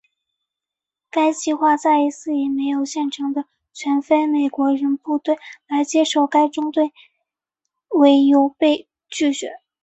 该计划再一次以没有现成的全非裔美国人部队来接收该中队为由被拒绝。